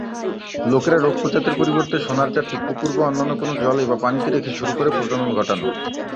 লোকেরা রৌপ্য জাতের পরিবর্তে সোনার জাতটি পুকুর বা অন্যান্য কোন জলে বা পানিতে রেখে শুরু করে প্রজনন ঘটানো।